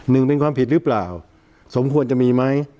หนึ่งเป็นความผิดหรือเปล่าสมควรจะมีไหม